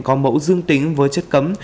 có mẫu dương tính với chất cấm